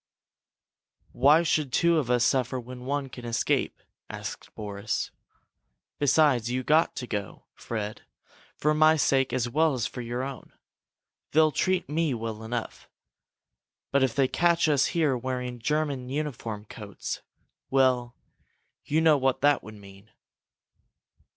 "Why should two of us suffer when one can escape?" asked Boris. "Besides, you've got to go, Fred, for my sake as well as for your own. They'll treat me well enough. But if they catch us here wearing German uniform coats well, you know what that would mean!"